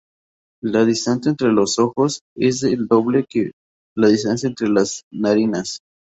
La distancia entre los ojos es el doble que la distancia entre las narinas.